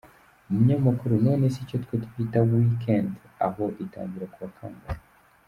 Umunyamakuru: None se icyo twe twita week end aho itangira ku wa kangahe?.